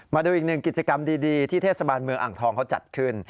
มาดูอีกหนึ่งกิจกรรมดีที่เทศบาลเมืองอ่างทองเขาจัดขึ้น